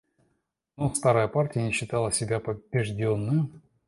Но старая партия не считала себя побежденною.